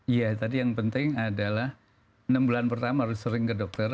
iya tadi yang penting adalah enam bulan pertama harus sering ke dokter